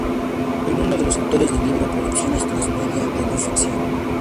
En uno de los autores del libro "Producciones transmedia de no ficción.